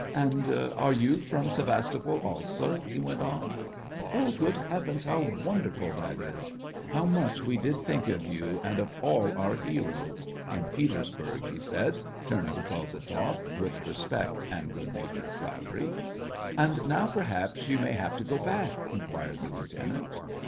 " And are you from Sevastopol also }" he went on. " Oh, good Heavens, how wonderful that is ! How much we did think of you, and of all our SEVASTOPOL IN AUGUST. 141 heroes, in Petersburg," he said, turning to Kozel tzoff with respect and good natured flattery. " And now, pe; haps, you may have to go back ?" inquired the lieutenant.